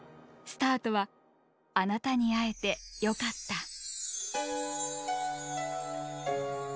スタートは「あなたに会えてよかった」。